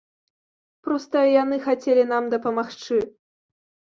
Проста яны хацелі нам дапамагчы.